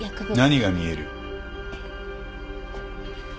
何が見える？